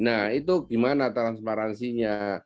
nah itu gimana transparansinya